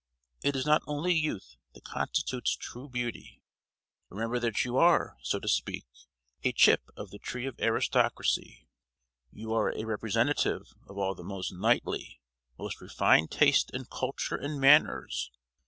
It is not only youth that constitutes true beauty. Remember that you are, so to speak, a chip of the tree of aristocracy. You are a representative of all the most knightly, most refined taste and culture and manners.